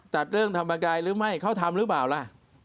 ตัดเรื่องธรรมกายหรือไม่เขาทำหรือเปล่าล่ะ